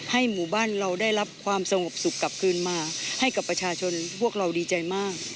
หมู่บ้านเราได้รับความสงบสุขกลับคืนมาให้กับประชาชนพวกเราดีใจมาก